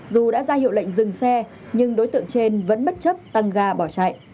dù đã ra hiệu lệnh dừng xe nhưng đối tượng trên vẫn bất chấp tăng ga bỏ chạy